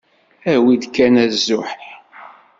Awi-d kan azuḥ.